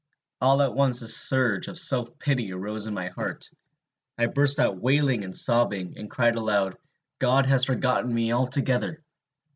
All at once a surge of self pity arose in my heart. I burst out wailing and sobbing, and cried aloud, 'God has forgotten me altogether!'